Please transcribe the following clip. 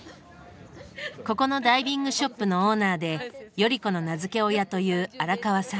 ここのダイビングショップのオーナーで頼子の名付け親という荒川さん。